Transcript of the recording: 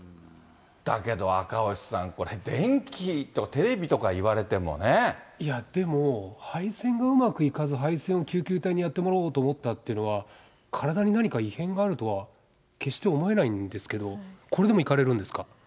だけど、赤星さん、これ、いや、でも配線がうまくいかず、配線を救急隊にやってもらおうと思ったっていうのは、体に何か異変があるとは、決して思えないんですけど。